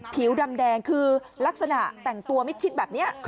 ผิวดำแดงคือลักษณะแต่งตัวมิดชิดแบบนี้